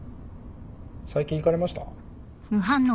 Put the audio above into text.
最近行かれました？